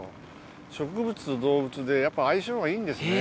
植物動物でやっぱ相性がいいんですね。